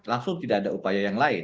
langsung tidak ada upaya yang lain